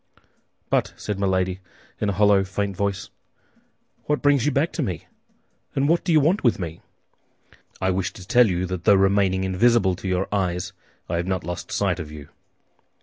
"But," said Milady, in a hollow, faint voice, "what brings you back to me, and what do you want with me?" "I wish to tell you that though remaining invisible to your eyes, I have not lost sight of you."